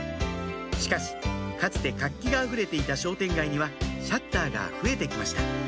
しかしかつて活気があふれていた商店街にはシャッターが増えて来ました